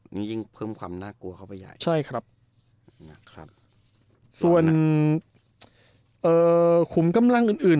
นี่ยิ่งเพิ่มความน่ากลัวเข้าไปใหญ่ใช่ครับนะครับส่วนขุมกำลังอื่นอื่น